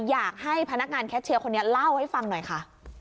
อยากให้พนักงานแคชเชียร์คนนี้เล่าให้ฟังหน่อยค่ะ